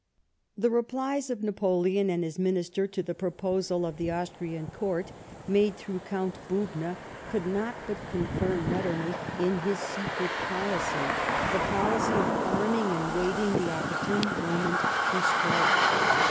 The replies of Napoleon and his Minister to the proposal of the Austrian Court made through Count Bubna could not but confirm Metternich in his secret policy ; the policy of arming and waiting the opportune moment to strike.